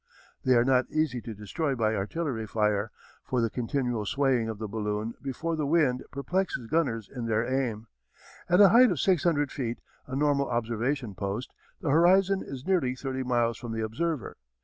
They are not easy to destroy by artillery fire, for the continual swaying of the balloon before the wind perplexes gunners in their aim. At a height of six hundred feet, a normal observation post, the horizon is nearly thirty miles from the observer.